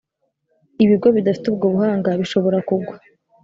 Ibigo bidafite ubwo buhanga bishobora kugwa